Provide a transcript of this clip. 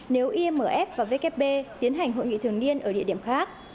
nếu imf và vkp tiến hành hội nghị thường niên ở địa điểm khác